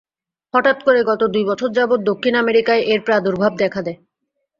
হঠাৎ করে গত দুই বছর যাবৎ দক্ষিণ আমেরিকায় এর প্রাদুর্ভাব দেখা দেয়।